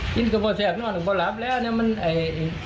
กินกับบ่าแสกนอนกับบ่าหลับแล้วเนี่ยมันไอ้